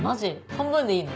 半分でいいの？